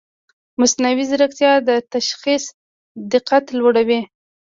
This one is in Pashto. مصنوعي ځیرکتیا د تشخیص دقت لوړوي.